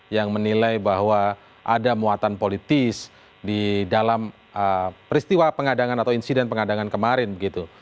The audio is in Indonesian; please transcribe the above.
yang menilai bahwa ada muatan politis di dalam peristiwa pengadangan atau insiden pengadangan kemarin begitu